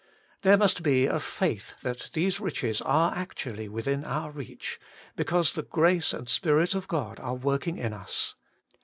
There must be a faith that these riches are actually within our reach, because the grace and Spirit of God are working in us.